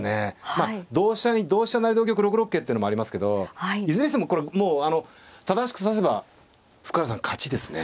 まあ同飛車に同飛車成同玉６六桂ってのもありますけどいずれにしてもこれもう正しく指せば深浦さん勝ちですね。